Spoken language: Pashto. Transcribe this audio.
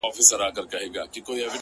سیاه پوسي ده. ژوند تفسیرېږي.